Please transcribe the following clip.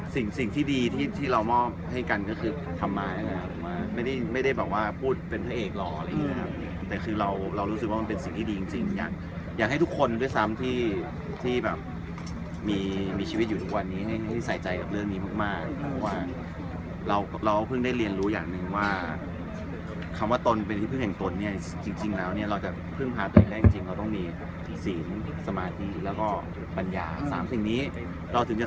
สิ่งที่ดีที่ที่เรามอบให้กันก็คือทำมานะครับไม่ได้ไม่ได้บอกว่าพูดเป็นตัวเอกหรอเลยนะครับแต่คือเรารู้สึกว่ามันเป็นสิ่งที่ดีจริงจริงอยากอยากให้ทุกคนด้วยซ้ำที่ที่แบบมีชีวิตอยู่ทุกวันนี้ให้ใส่ใจกับเรื่องนี้มากมากว่าเราเพิ่งได้เรียนรู้อย่างหนึ่งว่าคำว่าตนเป็นที่เพิ่งแห่งตนเนี่ยจริงแล้วเนี่ยเราจะ